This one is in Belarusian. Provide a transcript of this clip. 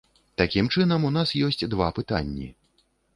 Такім чынам, у нас ёсць два пытанні.